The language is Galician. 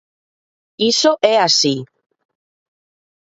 ¡Iso é así!